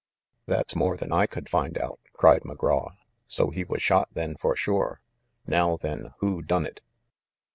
"That's more than I could find out," cried McGraw. "So he was shot, then, for sure. Now, then, who done it?"